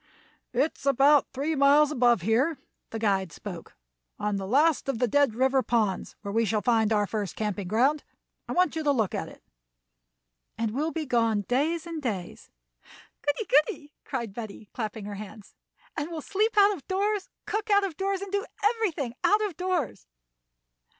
"It is about three miles above here," the guide spoke, "on the last of the Dead River Ponds, where we shall find our first camping ground. I want you to look at it." "And we'll be gone days and days." "Goody! goody!" called Betty, clapping her hands. "And we'll sleep out of doors, cook out of doors, and do everything out of doors."